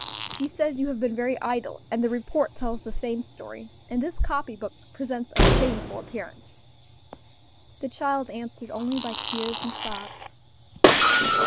She says you have been very idle; and the report tells the same story; and this copy book presents a shameful appearance." The child answered only by tears and sobs.